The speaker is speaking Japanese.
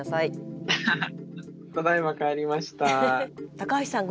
高橋さん